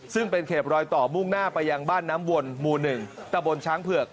ซึ่งเป็นเขตรอยต่อมุ่งหน้าไปยังบ้านน้ำวนหมู่๑ตะบนช้างเผือก